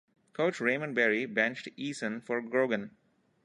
Coach Raymond Berry benched Eason for Grogan.